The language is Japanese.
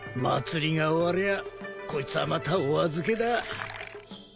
祭りが終わりゃこいつはまたお預けだ。